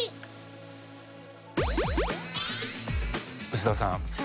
臼田さん